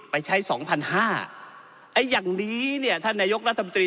ไปใช้สองพันห้าไอ้อย่างนี้เนี่ยท่านนายกรัฐมนตรี